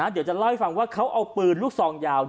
เดี๋ยวจะเล่าให้ฟังว่าเขาเอาปืนลูกซองยาว